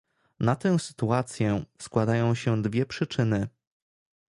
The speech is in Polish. Na tę sytuację składają się dwie przyczyny